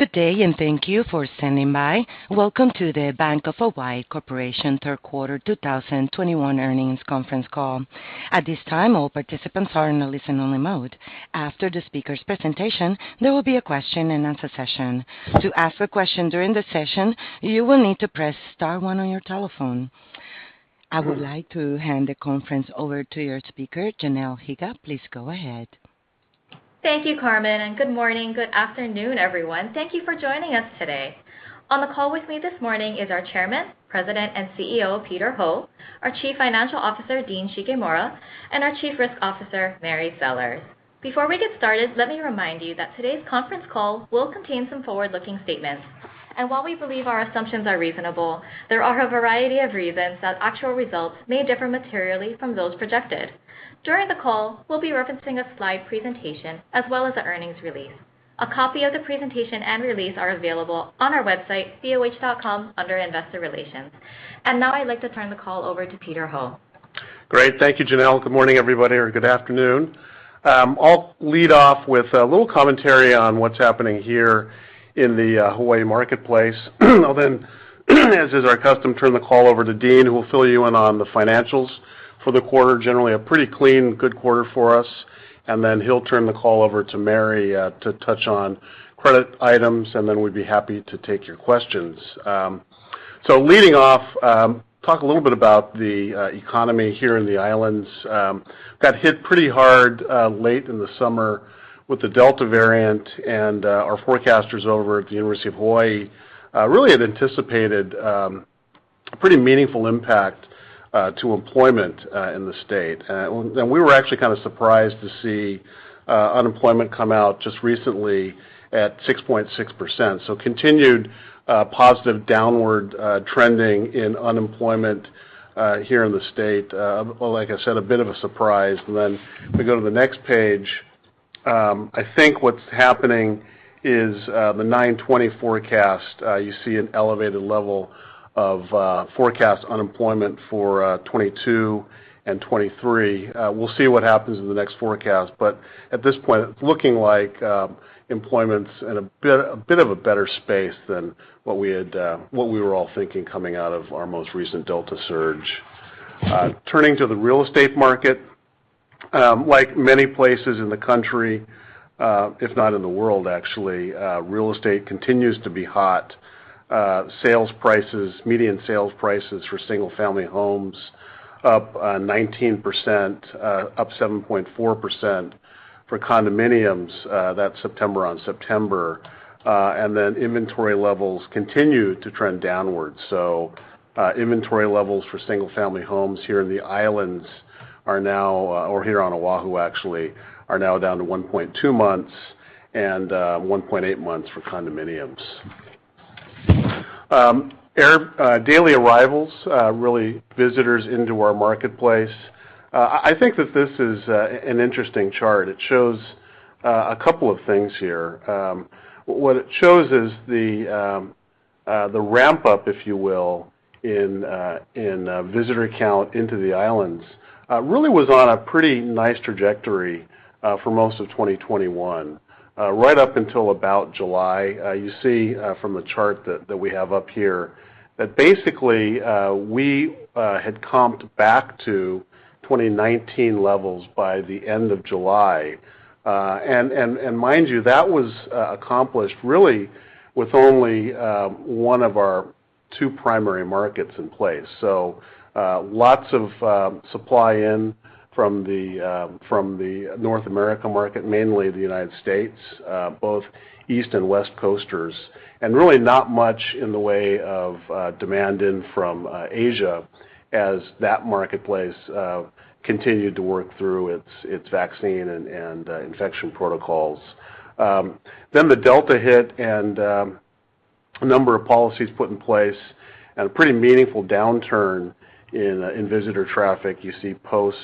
Good day, and thank you for standing by. Welcome to the Bank of Hawaii Corporation Third Quarter 2021 Earnings Conference Call. At this time, all participants are in a listen-only mode. After the speaker's presentation, there will be a question-and-answer session. To ask a question during the session, you will need to press star one on your telephone. I would like to hand the conference over to your speaker, Janelle Higa. Please go ahead. Thank you, Carmen, and good morning, good afternoon, everyone. Thank you for joining us today. On the call with me this morning is our Chairman, President, and Chief Executive Officer, Peter Ho, our Chief Financial Officer, Dean Shigemura, and our Chief Risk Officer, Mary Sellers. Before we get started, let me remind you that today's conference call will contain some forward-looking statements. While we believe our assumptions are reasonable, there are a variety of reasons that actual results may differ materially from those projected. During the call, we'll be referencing a slide presentation as well as the earnings release. A copy of the presentation and release are available on our website, boh.com, under Investor Relations. Now I'd like to turn the call over to Peter Ho. Great. Thank you, Janelle. Good morning, everybody, or good afternoon. I'll lead off with a little commentary on what's happening here in the Hawaii marketplace. I'll then, as is our custom, turn the call over to Dean, who will fill you in on the financials for the quarter. Generally, a pretty clean, good quarter for us. He'll turn the call over to Mary to touch on credit items, and then we'd be happy to take your questions. Leading off, talk a little bit about the economy here in the islands. Got hit pretty hard late in the summer with the Delta variant, and our forecasters over at the University of Hawai'i. I really had anticipated a pretty meaningful impact to employment in the state. We were actually kind of surprised to see unemployment come out just recently at 6.6%. Continued positive downward trending in unemployment here in the state. Like I said, a bit of a surprise. If we go to the next page, I think what's happening is the 9/20 forecast. You see an elevated level of forecast unemployment for 2022 and 2023. We'll see what happens in the next forecast. At this point, it's looking like employment's in a bit of a better space than what we were all thinking coming out of our most recent Delta surge. Turning to the real estate market. Like many places in the country, if not in the world, actually, real estate continues to be hot. Median sales prices for single-family homes up 19%, up 7.4% for condominiums. That's September on September. Inventory levels continue to trend downwards. Inventory levels for single-family homes here in the islands are now, or here on Oahu, actually, are now down to 1.2 months, and 1.8 months for condominiums. Air daily arrivals, really visitors into our marketplace. I think that this is an interesting chart. It shows a couple of things here. What it shows is the ramp-up, if you will, in visitor count into the islands really was on a pretty nice trajectory for most of 2021. Right up until about July, you see from the chart that we have up here, that basically we had comped back to 2019 levels by the end of July. Mind you, that was accomplished really with only one of our two primary markets in place. Lots of supply in from the North America market, mainly the United States, both East and West Coasters, and really not much in the way of demand in from Asia as that marketplace continued to work through its vaccine and infection protocols. The Delta hit and a number of policies put in place and a pretty meaningful downturn in visitor traffic you see post,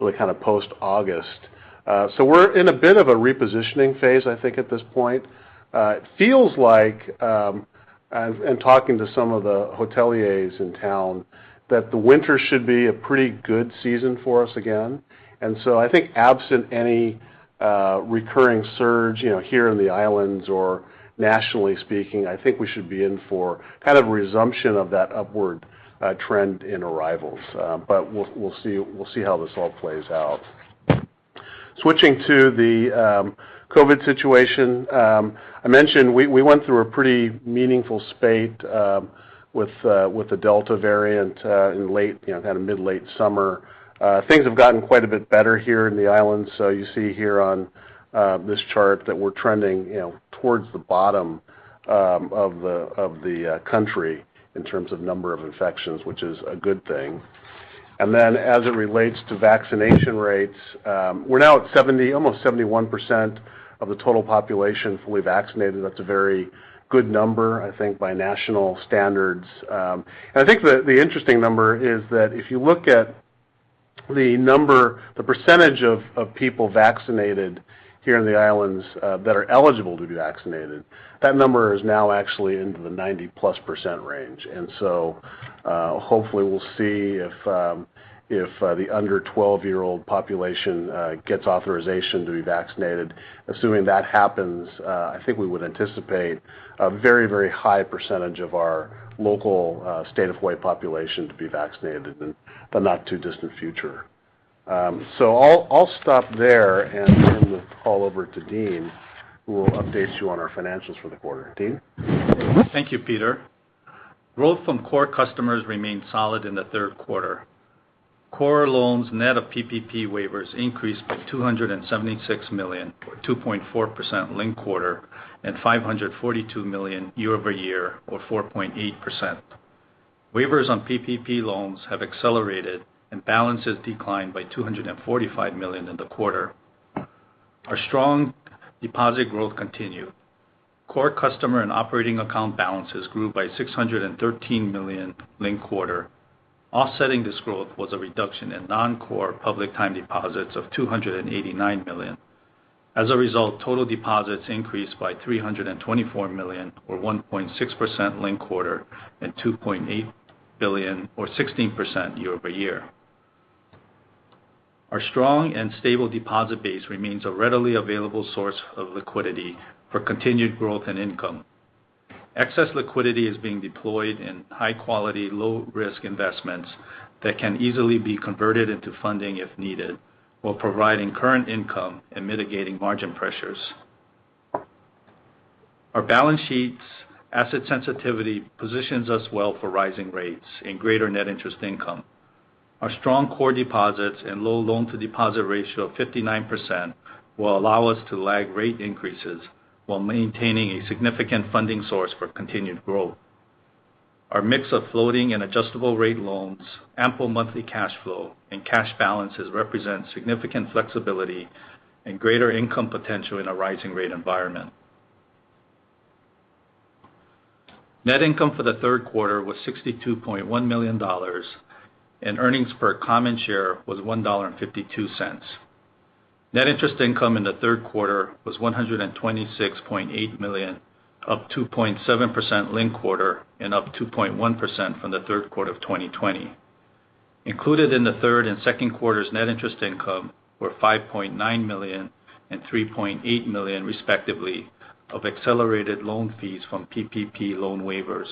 really kind of post-August. We're in a bit of a repositioning phase, I think, at this point. It feels like, and talking to some of the hoteliers in town, that the winter should be a pretty good season for us again. I think absent any recurring surge here in the islands or nationally speaking, I think we should be in for kind of a resumption of that upward trend in arrivals. We'll see how this all plays out. Switching to the COVID situation. I mentioned we went through a pretty meaningful spate with the Delta variant in kind of mid-late summer. Things have gotten quite a bit better here in the islands. You see here on this chart that we're trending towards the bottom of the country in terms of number of infections, which is a good thing. As it relates to vaccination rates, we're now at almost 71% of the total population fully vaccinated. That's a very good number, I think, by national standards. I think the interesting number is that if you look at the percentage of people vaccinated here in the islands that are eligible to be vaccinated, that number is now actually into the 90+% range. Hopefully we'll see if the under-12-year-old population gets authorization to be vaccinated. Assuming that happens, I think we would anticipate a very high percent of our local state of Hawaii population to be vaccinated in the not-too-distant future. I'll stop there and turn the call over to Dean, who will update you on our financials for the quarter. Dean? Thank you, Peter. Growth from core customers remained solid in the third quarter. Core loans net of PPP waivers increased by $276 million, or 2.4% linked-quarter, and $542 million year-over-year, or 4.8%. Waivers on PPP loans have accelerated and balances declined by $245 million in the quarter. Our strong deposit growth continued. Core customer and operating account balances grew by $613 million linked-quarter. Offsetting this growth was a reduction in non-core public time deposits of $289 million. As a result, total deposits increased by $324 million, or 1.6% linked-quarter, and $2.8 billion, or 16% year-over-year. Our strong and stable deposit base remains a readily available source of liquidity for continued growth and income. Excess liquidity is being deployed in high quality, low risk investments that can easily be converted into funding if needed, while providing current income and mitigating margin pressures. Our balance sheets asset sensitivity positions us well for rising rates and greater net interest income. Our strong core deposits and low loan-to-deposit ratio of 59% will allow us to lag rate increases while maintaining a significant funding source for continued growth. Our mix of floating and adjustable rate loans, ample monthly cash flow, and cash balances represent significant flexibility and greater income potential in a rising rate environment. Net income for the third quarter was $62.1 million, and earnings per common share was $1.52. Net interest income in the third quarter was $126.8 million, up 2.7% linked-quarter and up 2.1% from the third quarter of 2020. Included in the third and second quarter's net interest income were $5.9 million and $3.8 million, respectively, of accelerated loan fees from PPP loan waivers.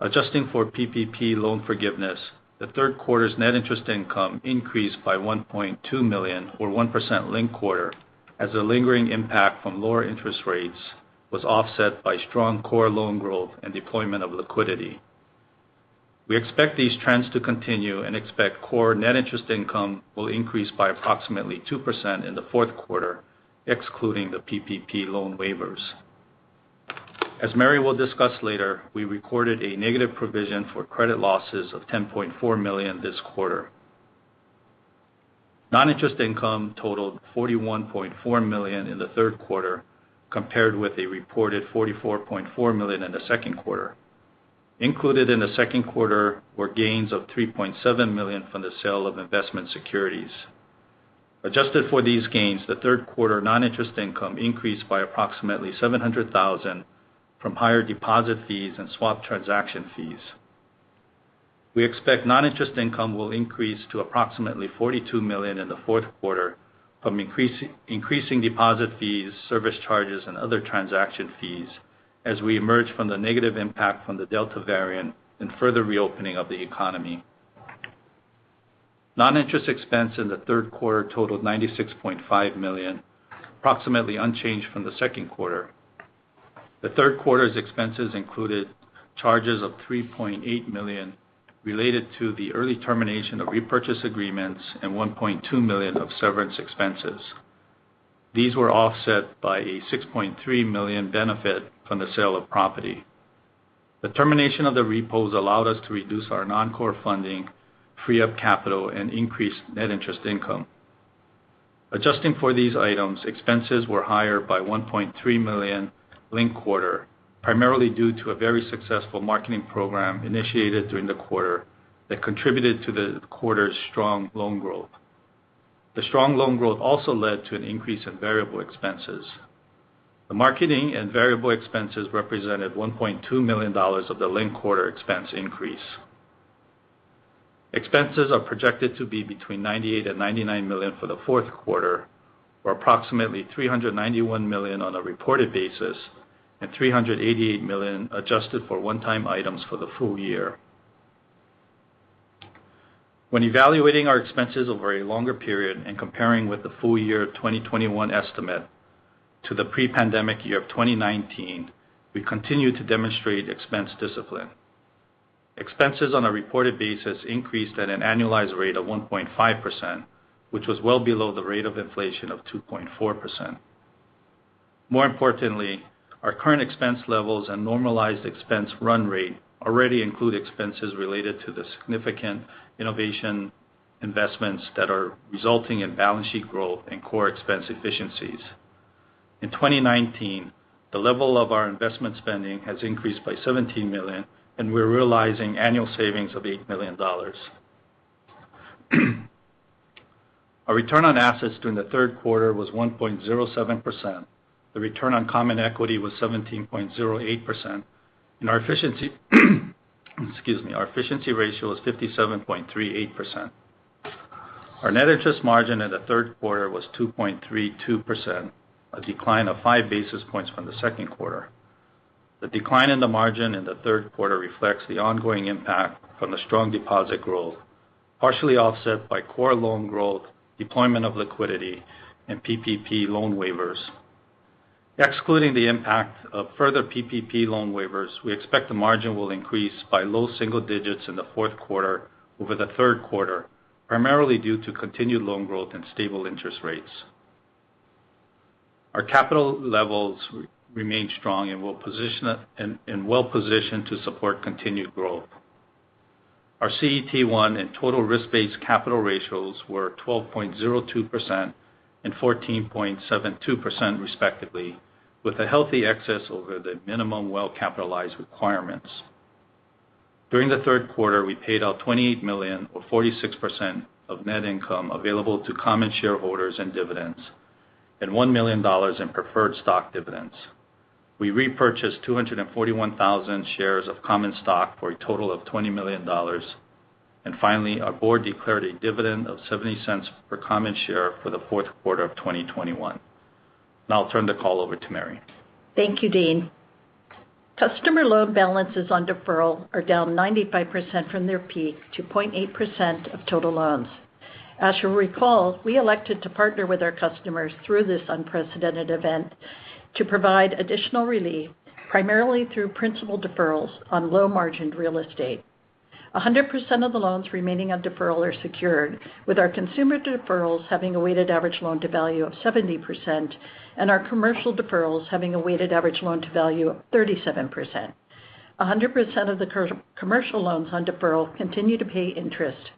Adjusting for PPP loan forgiveness, the third quarter's net interest income increased by $1.2 million, or 1% linked-quarter, as the lingering impact from lower interest rates was offset by strong core loan growth and deployment of liquidity. We expect these trends to continue and expect core net interest income will increase by approximately 2% in the fourth quarter, excluding the PPP loan waivers. As Mary will discuss later, we recorded a negative provision for credit losses of $10.4 million this quarter. Non-interest income totaled $41.4 million in the third quarter, compared with a reported $44.4 million in the second quarter. Included in the second quarter were gains of $3.7 million from the sale of investment securities. Adjusted for these gains, the third quarter non-interest income increased by approximately $700,000 from higher deposit fees and swap transaction fees. We expect non-interest income will increase to approximately $42 million in the fourth quarter from increasing deposit fees, service charges, and other transaction fees as we emerge from the negative impact from the Delta variant and further reopening of the economy. Non-interest expense in the third quarter totaled $96.5 million, approximately unchanged from the second quarter. The third quarter's expenses included charges of $3.8 million related to the early termination of repurchase agreements and $1.2 million of severance expenses. These were offset by a $6.3 million benefit from the sale of property. The termination of the repos allowed us to reduce our non-core funding, free up capital, and increase net interest income. Adjusting for these items, expenses were higher by $1.3 million linked-quarter, primarily due to a very successful marketing program initiated during the quarter that contributed to the quarter's strong loan growth. The strong loan growth also led to an increase in variable expenses. The marketing and variable expenses represented $1.2 million of the linked-quarter expense increase. Expenses are projected to be between $98 million and $99 million for the fourth quarter, or approximately $391 million on a reported basis, and $388 million adjusted for one-time items for the full year. When evaluating our expenses over a longer period and comparing with the full year 2021 estimate to the pre-pandemic year of 2019, we continue to demonstrate expense discipline. Expenses on a reported basis increased at an annualized rate of 1.5%, which was well below the rate of inflation of 2.4%. More importantly, our current expense levels and normalized expense run rate already include expenses related to the significant innovation investments that are resulting in balance sheet growth and core expense efficiencies. In 2019, the level of our investment spending has increased by $17 million. We're realizing annual savings of $8 million. Our return on assets during the third quarter was 1.07%. The return on common equity was 17.08%. Our efficiency ratio was 57.38%. Our net interest margin in the third quarter was 2.32%, a decline of 5 basis points from the second quarter. The decline in the margin in the third quarter reflects the ongoing impact from the strong deposit growth, partially offset by core loan growth, deployment of liquidity, and PPP loan waivers. Excluding the impact of further PPP loan waivers, we expect the margin will increase by low single digits in the fourth quarter over the third quarter, primarily due to continued loan growth and stable interest rates. Our capital levels remain strong and well-positioned to support continued growth. Our CET1 and total risk-based capital ratios were 12.02% and 14.72% respectively, with a healthy excess over the minimum well-capitalized requirements. During the third quarter, we paid out $28 million, or 46%, of net income available to common shareholders and dividends, and $1 million in preferred stock dividends. We repurchased 241,000 shares of common stock for a total of $20 million. Finally, our board declared a dividend of $0.70 per common share for the fourth quarter of 2021. Now I'll turn the call over to Mary. Thank you, Dean. Customer loan balances on deferral are down 95% from their peak to 0.8% of total loans. As you'll recall, we elected to partner with our customers through this unprecedented event to provide additional relief, primarily through principal deferrals on low-margined real estate. 100% of the loans remaining on deferral are secured, with our consumer deferrals having a weighted average loan-to-value of 70%, and our commercial deferrals having a weighted average loan-to-value of 37%. 100% of the commercial loans on deferral continue to pay interest,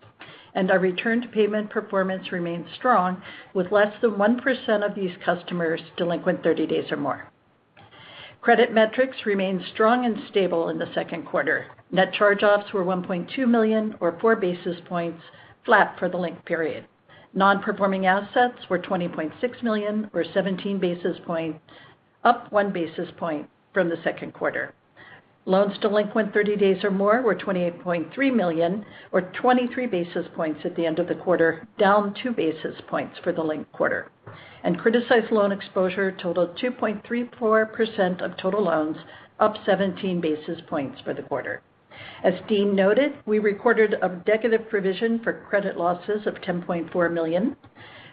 and our return to payment performance remains strong, with less than 1% of these customers delinquent 30 days or more. Credit metrics remain strong and stable in the second quarter. Net charge-offs were $1.2 million, or four basis points, flat for the linked period. Non-performing assets were $20.6 million or 17 basis points, up one basis point from the second quarter. Loans delinquent 30 days or more were $28.3 million or 23 basis points at the end of the quarter, down 2 basis points for the linked quarter. Criticized loan exposure totaled 2.34% of total loans, up 17 basis points for the quarter. As Dean noted, we recorded a negative provision for credit losses of $10.4 million.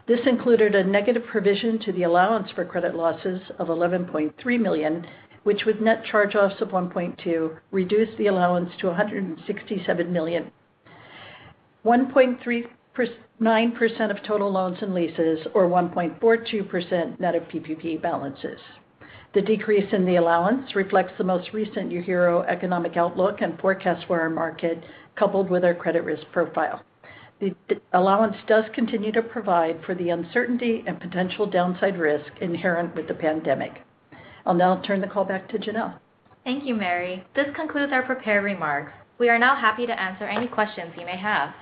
This included a negative provision to the allowance for credit losses of $11.3 million, which with net charge-offs of $1.2 million, reduced the allowance to $167 million. 1.39% of total loans and leases, or 1.42% net of PPP balances. The decrease in the allowance reflects the most recent UHERO economic outlook and forecast for our market, coupled with our credit risk profile. The allowance does continue to provide for the uncertainty and potential downside risk inherent with the pandemic. I'll now turn the call back to Janelle. Thank you, Mary. This concludes our prepared remarks. We are now happy to answer any questions you may have.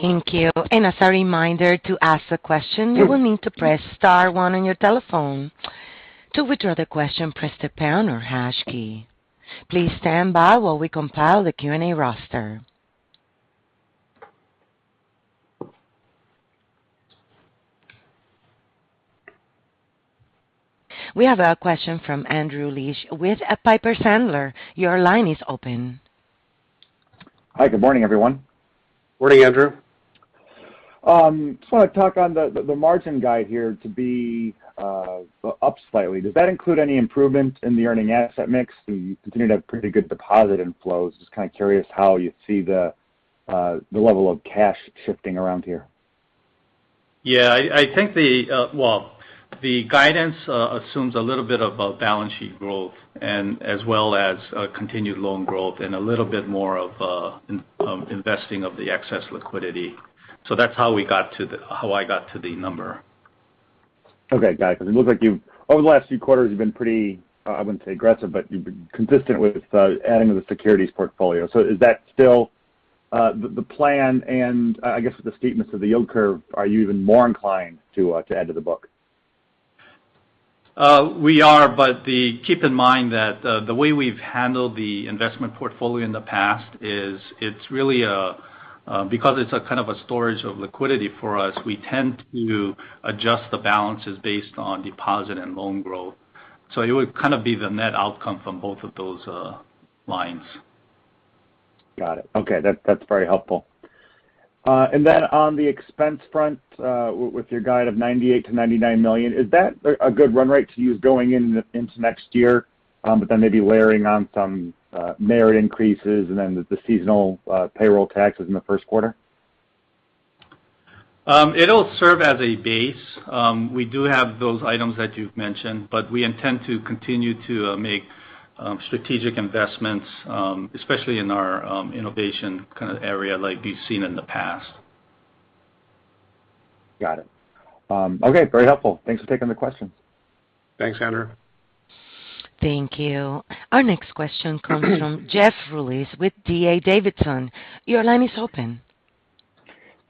Thank you. As a reminder, to ask a question, you will need to press star one on your telephone. To withdraw the question, press the pound or hash key. Please stand by while we compile the Q&A roster. We have a question from Andrew Liesch with Piper Sandler. Your line is open. Hi, good morning, everyone. Morning, Andrew. Just want to talk on the margin guide here to be up slightly. Does that include any improvement in the earning asset mix? You continue to have pretty good deposit inflows. Just kind of curious how you see the level of cash shifting around here. Well, the guidance assumes a little bit of a balance sheet growth, and as well as continued loan growth and a little bit more of investing of the excess liquidity. That's how I got to the number. Okay. Got it. It looks like over the last few quarters, you've been pretty, I wouldn't say aggressive, but you've been consistent with adding to the securities portfolio. Is that still the plan and, I guess with the steepness of the yield curve, are you even more inclined to add to the book? We are. Keep in mind that the way we've handled the investment portfolio in the past is because it's a kind of a storage of liquidity for us, we tend to adjust the balances based on deposit and loan growth. It would kind of be the net outcome from both of those lines. Got it. Okay. That's very helpful. On the expense front, with your guide of $98 million-$99 million, is that a good run rate to use going into next year, maybe layering on some merit increases and the seasonal payroll taxes in the first quarter? It'll serve as a base. We do have those items that you've mentioned, but we intend to continue to make strategic investments, especially in our innovation kind of area like we've seen in the past. Got it. Okay. Very helpful. Thanks for taking the question. Thanks, Andrew. Thank you. Our next question comes from Jeff Rulis with D.A. Davidson. Your line is open.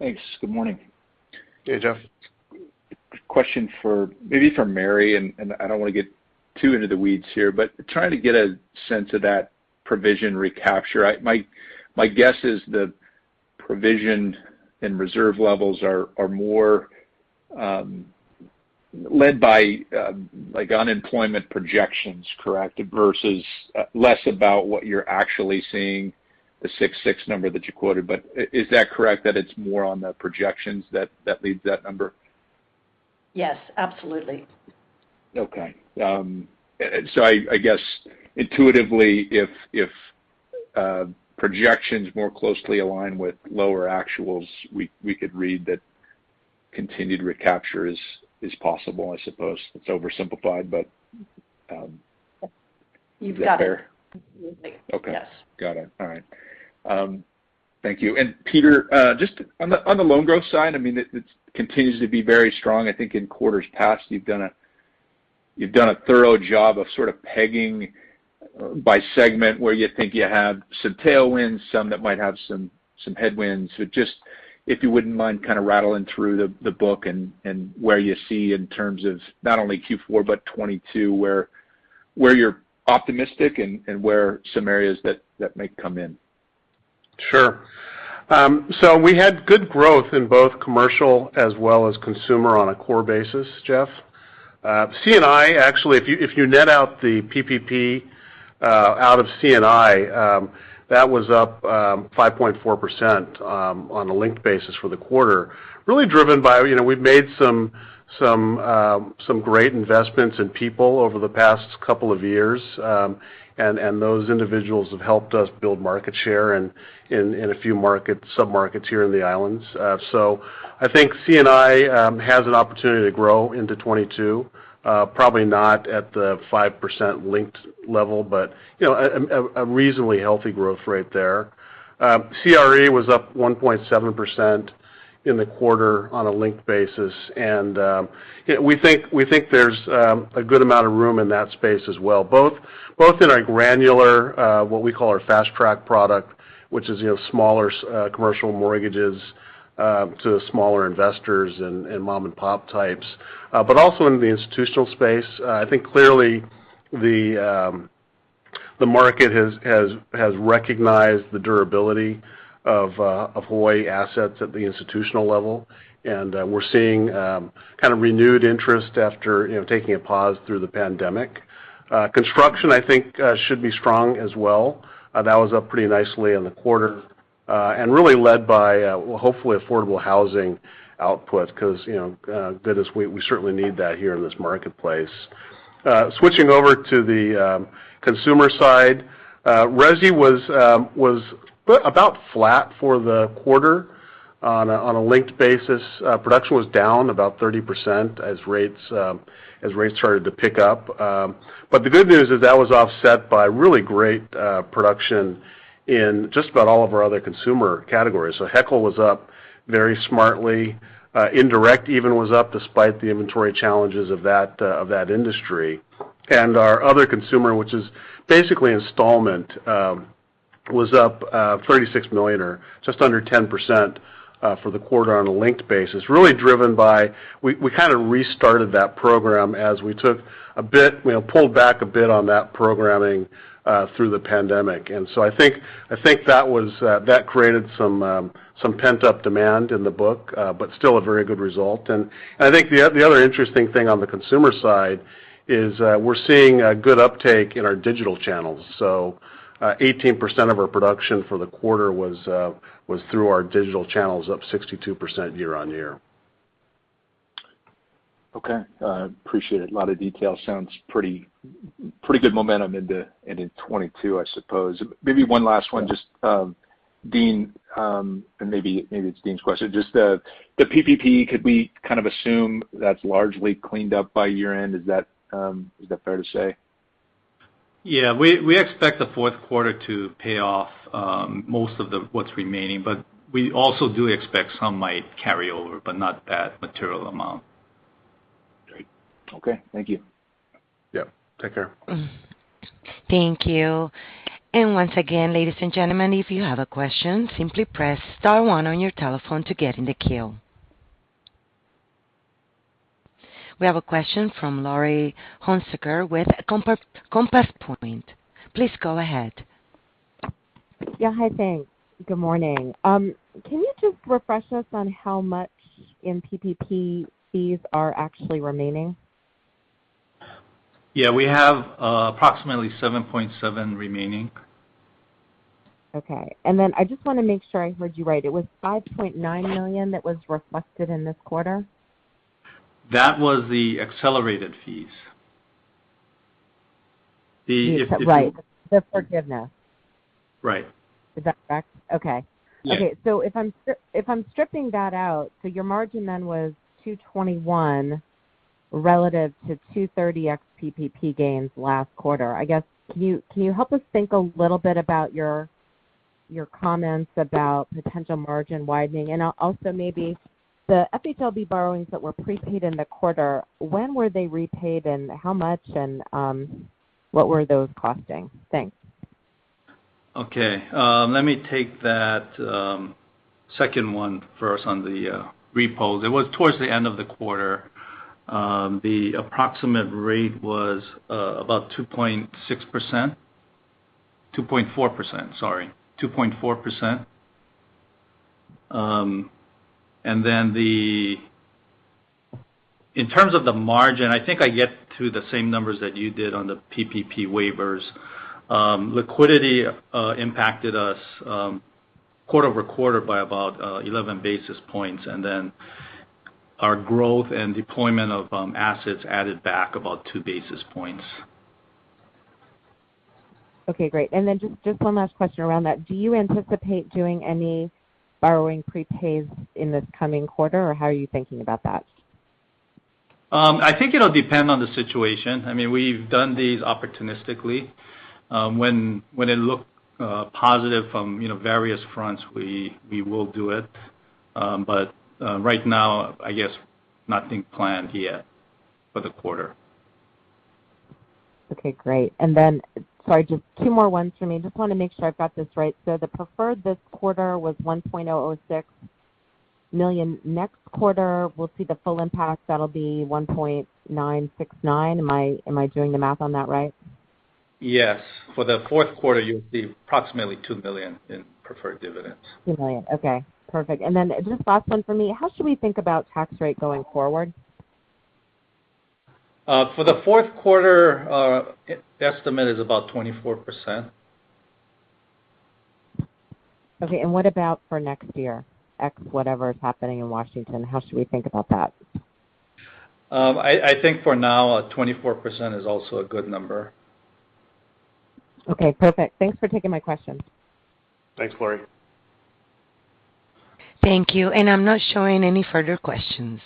Thanks. Good morning. Hey, Jeff. Question maybe for Mary. I don't want to get too into the weeds here, trying to get a sense of that provision recapture. My guess is the provision and reserve levels are more led by unemployment projections, correct, versus less about what you're actually seeing, the 6.6 number that you quoted? Is that correct, that it's more on the projections that leads that number? Yes, absolutely. Okay. I guess intuitively, if projections more closely align with lower actuals, we could read that continued recapture is possible, I suppose. It's oversimplified, but- You've got it. is that fair? Absolutely. Okay. Yes. Got it. All right. Thank you. Peter, just on the loan growth side, it continues to be very strong. I think in quarters past, you've done a thorough job of sort of pegging by segment where you think you have some tailwinds, some that might have some headwinds. Just if you wouldn't mind kind of rattling through the book and where you see in terms of not only Q4, but 2022, where you're optimistic and where some areas that may come in. Sure. We had good growth in both commercial as well as consumer on a core basis, Jeff. C&I, actually, if you net out the PPP out of C&I, that was up 5.4% on a linked basis for the quarter. Really driven by, we've made some great investments in people over the past couple of years. Those individuals have helped us build market share in a few submarkets here in the islands. I think C&I has an opportunity to grow into 2022. Probably not at the 5% linked level, but a reasonably healthy growth rate there. CRE was up 1.7% in the quarter on a linked basis. We think there's a good amount of room in that space as well, both in our granular, what we call our fast track product, which is smaller commercial mortgages to smaller investors and mom-and-pop types. Also in the institutional space. I think clearly the market has recognized the durability of Hawaii assets at the institutional level. We're seeing kind of renewed interest after taking a pause through the pandemic. Construction, I think, should be strong as well. That was up pretty nicely in the quarter. Really led by, well, hopefully affordable housing output because we certainly need that here in this marketplace. Switching over to the consumer side. Resi was about flat for the quarter on a linked basis. Production was down about 30% as rates started to pick up. The good news is that was offset by really great production in just about all of our other consumer categories. HELOC was up very smartly. Indirect even was up despite the inventory challenges of that industry. Our other consumer, which is basically installment, was up $36 million or just under 10% for the quarter on a linked basis. Really driven by, we kind of restarted that program as we pulled back a bit on that programming through the pandemic. I think that created some pent-up demand in the book. Still a very good result. I think the other interesting thing on the consumer side is we're seeing a good uptake in our digital channels. 18% of our production for the quarter was through our digital channels, up 62% year-over-year. Okay. Appreciate it. A lot of detail. Sounds pretty good momentum into 2022, I suppose. Maybe one last one, just Dean, and maybe it's Dean's question. Just the PPP, could we kind of assume that's largely cleaned up by year-end? Is that fair to say? Yeah. We expect the fourth quarter to pay off most of what's remaining. We also do expect some might carry over, but not that material amount. Great. Okay. Thank you. Yep. Take care. Thank you. Once again, ladies and gentlemen, if you have a question, simply press star one on your telephone to get in the queue. We have a question from Laurie Hunsicker with Compass Point. Please go ahead. Yeah. Hi, thanks. Good morning. Can you just refresh us on how much in PPP fees are actually remaining? Yeah, we have approximately 7.7 remaining. Okay. I just want to make sure I heard you right. It was $5.9 million that was reflected in this quarter? That was the accelerated fees. Right. The forgiveness Right. Is that correct? Okay. Yeah. Okay. If I'm stripping that out, your margin then was 221 relative to 230 ex PPP gains last quarter. I guess, can you help us think a little bit about your comments about potential margin widening? Also maybe the FHLB borrowings that were prepaid in the quarter, when were they repaid and how much, and what were those costing? Thanks. Okay. Let me take that second one first on the repos. It was towards the end of the quarter. The approximate rate was about 2.6%. 2.4%, sorry. 2.4%. In terms of the margin, I think I get to the same numbers that you did on the PPP waivers. Liquidity impacted us quarter-over-quarter by about 11 basis points, and then our growth and deployment of assets added back about 2 basis points. Okay, great. Just one last question around that. Do you anticipate doing any borrowing prepays in this coming quarter, or how are you thinking about that? I think it'll depend on the situation. We've done these opportunistically. When it look positive from various fronts, we will do it. Right now, I guess nothing planned yet for the quarter. Okay, great. Then, sorry, just two more ones for me. Just want to make sure I've got this right. The preferred this quarter was $1.06 million. Next quarter, we'll see the full impact. That'll be $1.969 million. Am I doing the math on that right? Yes. For the fourth quarter, you'll see approximately $2 million in preferred dividends. $2 million. Okay, perfect. Just last one for me. How should we think about tax rate going forward? For the fourth quarter, estimate is about 24%. Okay. What about for next year? Ex whatever is happening in Washington, how should we think about that? I think for now, 24% is also a good number. Okay, perfect. Thanks for taking my questions. Thanks, Laurie. Thank you. I'm not showing any further questions.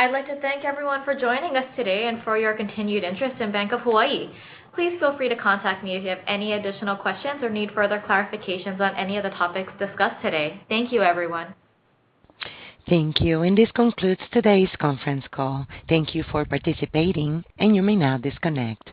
I'd like to thank everyone for joining us today and for your continued interest in Bank of Hawaii. Please feel free to contact me if you have any additional questions or need further clarifications on any of the topics discussed today. Thank you, everyone. Thank you. This concludes today's conference call. Thank you for participating, and you may now disconnect.